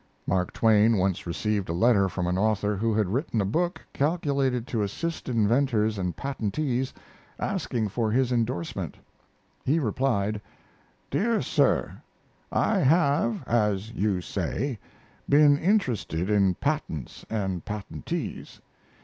Mark Twain once received a letter from an author who had written a book calculated to assist inventors and patentees, asking for his indorsement. He replied: DEAR SIR, I have, as you say, been interested in patents and patentees.